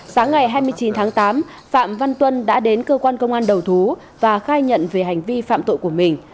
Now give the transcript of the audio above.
sáng ngày hai mươi chín tháng tám phạm văn tuân đã đến cơ quan công an đầu thú và khai nhận về hành vi phạm tội của mình